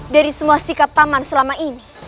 dari semua sikap taman selama ini